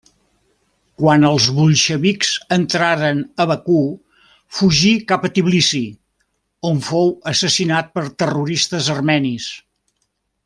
Quan els bolxevics entraren a Bakú fugí cap Tbilisi, on fou assassinat per terroristes armenis.